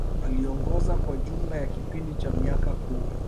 Aliongoza kwa jumla ya kipindi cha miaka kumi